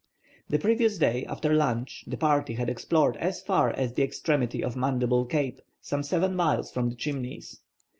The previous day, after lunch, the party had explored as far as the extremity of Mandible Cape, some seven miles from the Chimneys.